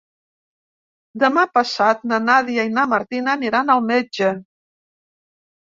Demà passat na Nàdia i na Martina aniran al metge.